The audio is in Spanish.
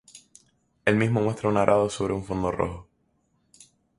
El mismo muestra un arado sobre un fondo rojo.